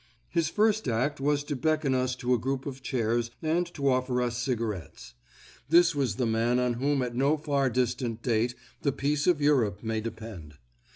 His first act was to beckon us to a group of chairs and to offer us cigarettes. This was the man on whom at no far distant date the peace of Europe may depend.